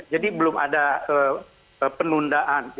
jadi belum ada penundaan